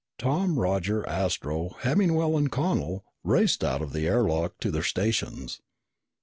Tom, Roger, Astro, Hemmingwell, and Connel raced out of the air lock to their stations.